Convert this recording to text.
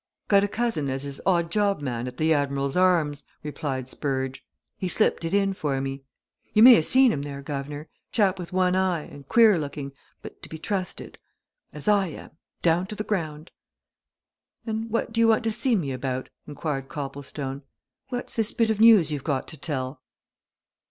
"Got a cousin as is odd job man at the 'Admiral's Arms,'" replied Spurge. "He slipped it in for me. You may ha' seen him there, guv'nor chap with one eye, and queer looking, but to be trusted. As I am! down to the ground." "And what do you want to see me about?" inquired Copplestone. "What's this bit of news you've got to tell?"